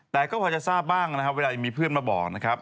แต่ก็พอจะทราบบ้างนะครับเวลามีเพื่อนมาบอกนะครับ